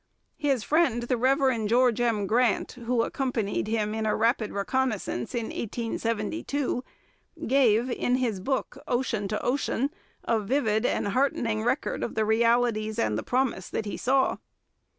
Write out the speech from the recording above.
His friend, the Rev. George M. Grant, who accompanied him in a rapid reconnaissance in 1872, gave, in his book Ocean to Ocean, a vivid and heartening record of the realities and the promise that he saw.